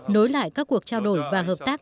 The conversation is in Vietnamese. nối lại các cuộc trao đổi và hợp tác